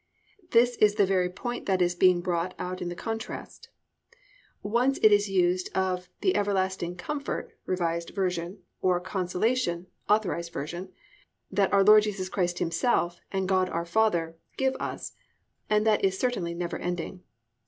That is the very point that is being brought out in the contrast. Once it is used of the everlasting "comfort" (R. V.) or "consolation" (A. V.) that "our Lord Jesus Christ Himself, and God our Father" give us, and that is certainly never ending.